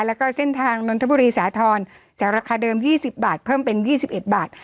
แล้วก็เส้นทางนนทบุรีสาธรณ์จากราคาเดิม๒๐บาทเพิ่มเป็น๒๑บาท